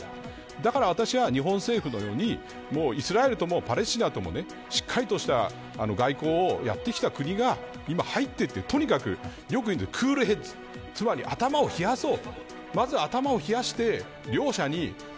だから私は、日本政府のようにイスラエルともパレスチナともしっかりとした外交をやってきた国が今、入ってっていうとにかくよく言うクールヘッズつまり、頭を冷やそう。